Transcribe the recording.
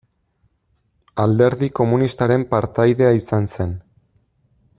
Alderdi Komunistaren partaidea izan zen.